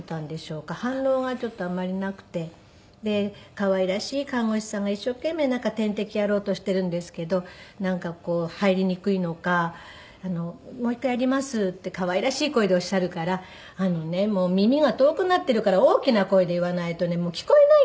可愛らしい看護師さんが一生懸命なんか点滴やろうとしているんですけどなんかこう入りにくいのか「もう一回やります」って可愛らしい声でおっしゃるから「あのねもう耳が遠くなってるから大きな声で言わないとね聞こえないんですよ」